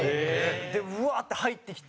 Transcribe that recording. うわー！って入ってきて。